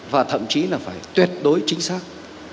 và thậm chí là phải tuyệt đối chính xác